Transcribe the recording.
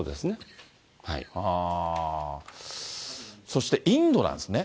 そしてインドなんですね。